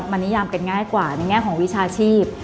มันนิยามกันง่ายกว่าในแง่ของวิชาชีพ